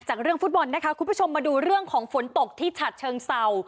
เรื่องฟุตบอลนะคะคุณผู้ชมมาดูเรื่องของฝนตกที่ฉัดเชิงเศร้า